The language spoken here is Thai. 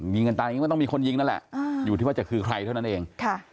ยิงกันตายอย่างนี้มันต้องมีคนยิงนั่นแหละอยู่ที่ว่าจะคือใครเท่านั้นเอง